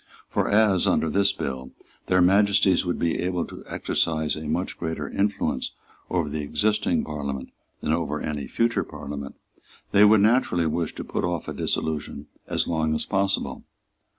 For as, under this bill, Their Majesties would be able to exercise a much greater influence over the existing Parliament than over any future Parliament, they would naturally wish to put off a dissolution as long as possible.